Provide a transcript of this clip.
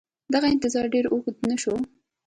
دغه انتظار ډېر اوږد نه شو